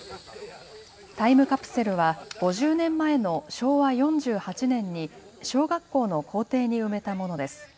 タイムカプセルは５０年前の昭和４８年に小学校の校庭に埋めたものです。